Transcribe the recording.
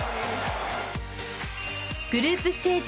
グループステージ